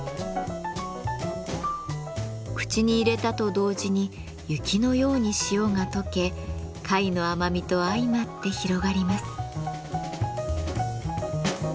口に入れたと同時に雪のように塩が溶け貝の甘みと相まって広がります。